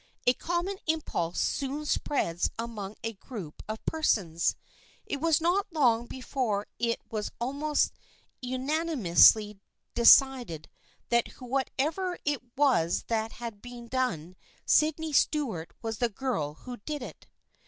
A com mon impulse soon spreads among a group of per sons. It was not long before it was almost unani mously decided that whatever it was that had been done, Sydney Stuart was the girl who did it.